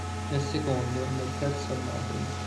Nel secondo e nel terzo a Napoli.